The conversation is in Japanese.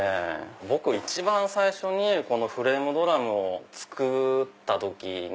僕一番最初にフレームドラムを作った時に。